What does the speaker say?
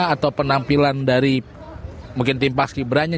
atau penampilan dari mungkin tim paski beranya